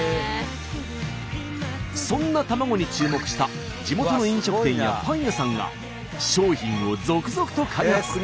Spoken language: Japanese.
そんな卵に注目した地元の飲食店やパン屋さんが商品を続々と開発。